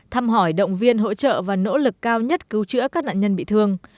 thăm hỏi động viên hỗ trợ và nỗ lực cao nhất cứu chữa các nạn nhân bị thương